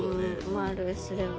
丸すれば。